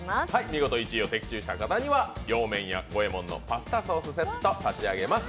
見事１位を的中した方には洋麺屋五右衛門のパスタソースセットを差し上げます。